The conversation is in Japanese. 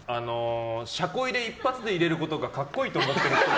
車庫入れ一発で入れることが格好いいと思っているっぽい。